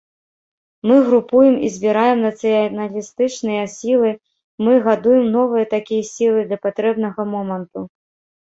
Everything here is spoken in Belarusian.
Мы групуем і збіраем нацыяналістычныя сілы, мы гадуем новыя такія сілы для патрэбнага моманту.